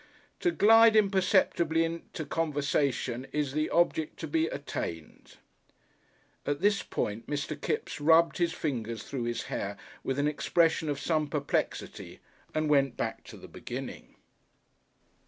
To glide imperceptibly into conversation is the object to be attained." At this point Mr. Kipps rubbed his fingers through his hair with an expression of some perplexity and went back to the beginning.